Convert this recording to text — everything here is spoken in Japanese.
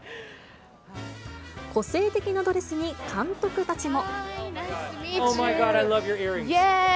個性的なドレスに監督たちも。